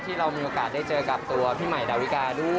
ที่เรามีโอกาสได้เจอกับตัวพี่ใหม่ดาวิกาด้วย